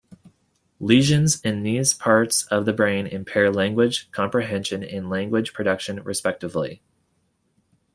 Lesions in these parts of the brain impair language comprehension and language production, respectively.